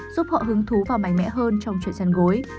giúp họ hứng thú và mạnh mẽ hơn trong chuyện gian gối